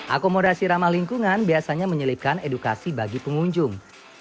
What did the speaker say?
akomodasi ramah lingkungan biasanya menyelipkan edukasi bagi pengunjung